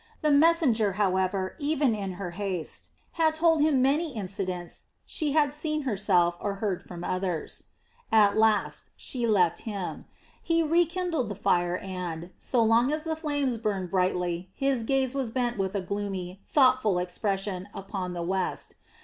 The messenger, however, even in her haste, had told him many incidents she had seen herself or heard from others. At last she left him. He rekindled the fire and, so long as the flames burned brightly, his gaze was bent with a gloomy, thoughtful expression upon the west.